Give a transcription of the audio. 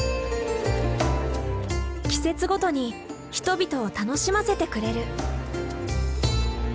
季節ごとに人々を楽しませてくれる。